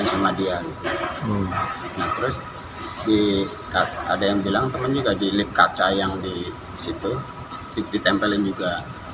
yang sama dia nah terus di ada yang bilang temen juga di lip kaca yang di situ ditempelin juga